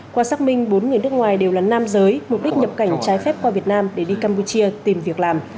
qua xác minh bốn người nước ngoài đều là nam giới mục đích nhập cảnh trái phép qua việt nam để đi campuchia tìm việc làm